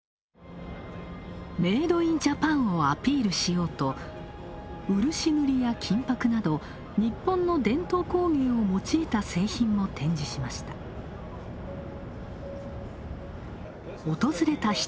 メード・イン・ジャパンをアピールしようと漆塗りや金ぱくなど、日本の伝統工芸を用いた製品も展示しました。